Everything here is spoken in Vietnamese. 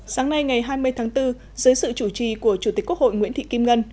sáng nay ngày hai mươi tháng bốn dưới sự chủ trì của chủ tịch quốc hội nguyễn thị kim ngân